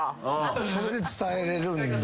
それで伝えれるんだ。